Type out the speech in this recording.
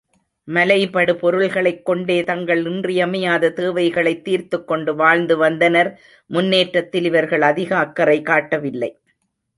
மலைபடு பொருள்களைக் கொண்டே தங்கள் இன்றியமையாத தேவைகளைத் தீர்த்துக்கொண்டு வாழ்ந்து வந்தனர், முன்னேற்றத்தில் இவர்கள் அதிக அக்கறை காட்டவில்லை.